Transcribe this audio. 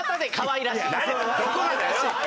どこがだよ！